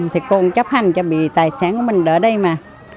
thì cô cũng chấp hành cho bị tài sản của mình đỡ đây mà